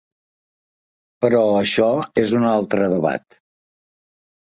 Però això és un altre debat.